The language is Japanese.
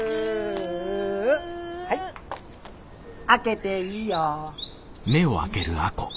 はい開けていいよ。